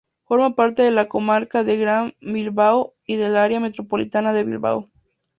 Forma parte de la comarca del Gran Bilbao y del área metropolitana de Bilbao.